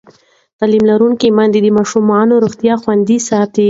تعلیم لرونکې میندې د ماشومانو روغتیا خوندي ساتي.